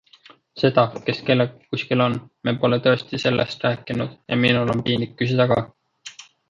Seda, kes kellega kuskil on - me pole tõesti sellest rääkinud ja minul on piinlik küsida ka.